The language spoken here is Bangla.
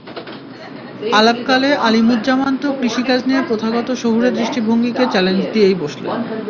আলাপকালে আলিমুজ্জামান তো কৃষিকাজ নিয়ে প্রথাগত শহুরে দৃষ্টিভঙ্গিকে চ্যালেঞ্জ দিয়েই বসলেন।